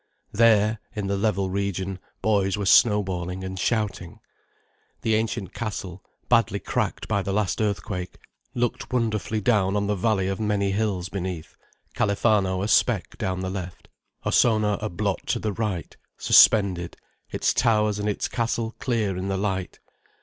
There, in the level region, boys were snowballing and shouting. The ancient castle, badly cracked by the last earthquake, looked wonderfully down on the valley of many hills beneath, Califano a speck down the left, Ossona a blot to the right, suspended, its towers and its castle clear in the light.